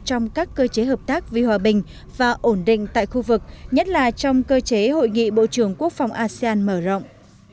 trong các cơ chế hợp tác vì hòa bình và ổn định tại khu vực nhất là trong cơ chế hội nghị bộ trưởng quốc phòng asean mở rộng